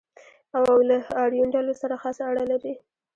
او له آریون ډلو سره خاصه اړه لري.